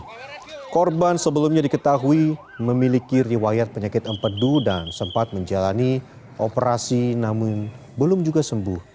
sebelumnya korban sebelumnya diketahui memiliki riwayat penyakit empedu dan sempat menjalani operasi namun belum juga sembuh